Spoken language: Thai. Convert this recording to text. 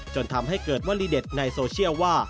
จนทำให้เกิดวลีเด็ดในโซเชียลว่า